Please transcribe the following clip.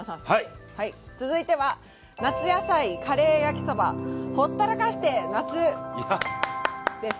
続いては「夏野菜カレー焼きそばほったらかして夏」です。